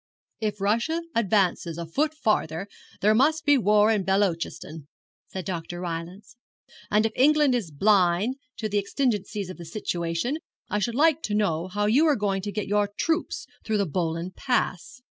'If Russia advances a foot farther, there must be war in Beloochistan,' said Dr. Rylance; 'and if England is blind to the exigencies of the situation, I should like to know how you are going to get your troops through the Bolan Pass.'